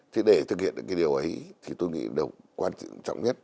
thế để thực hiện được cái điều ấy thì tôi nghĩ điều quan trọng nhất